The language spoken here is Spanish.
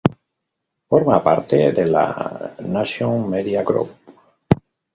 Forma parte del Nation Media Group.